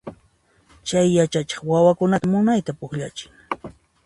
Chay yachachiq wawakunata munayta pukllachin.